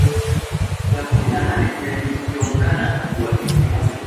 ya kumi na nane yaliyoungana na kuwa kitu kimoja